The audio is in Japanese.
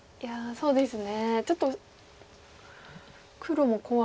そうですね。